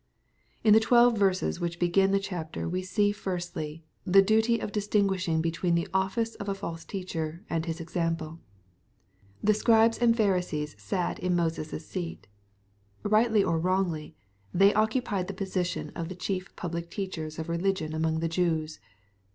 In the twelve verses which begin the chapter, we see firstly, ih^ duty of distinguishing between the office of a false teacher and his example, " The Scribes and Phari sees sat in Moses' seat." Kightly or wrongly, they oc cupied the position of the chief public teachers of religion among the Jews.